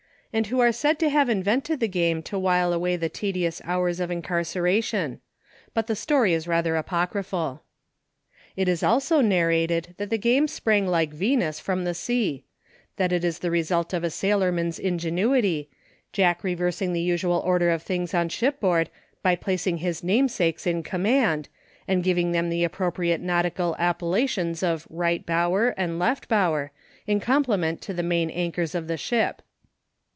and who are said to have invented the game to while away the tedious hours of incarceration ; but the story is rather apocryphal. It is also narrated that the game sprang PRELIMINARY. 25 like Venus, from the sea, — that it is the re sult of a sailorman's ingenuity, Jack revers ing the usual order of things on shipboard by placing his namesakes in command, and giving them the appropriate nautical appel lations of Eight Bower, and Left Bower, in compliment to the main anchors of the ship.